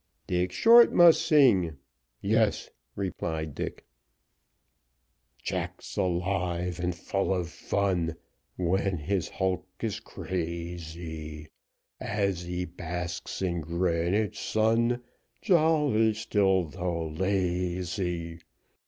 "Dick Short must sing." "Yes," replied Dick. Jack's alive and full of fun, When his hulk is crazy, As he basks in Greenwich sun, Jolly still though lazy.